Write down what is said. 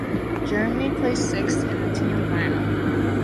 Germany placed sixth in the team final.